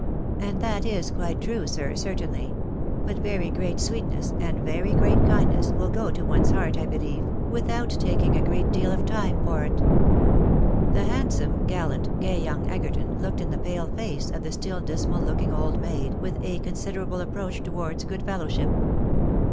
" And that is quite true, sir, certainly — but very great sweet ness, and very great kindness, will go to one's heart, I believe, without taking a greal deal of time for it." The handsome, gallant, gay young Egerton looked in the pale face of the stiU dismal looking old maid, with a considerable ap proach towards good fellowship.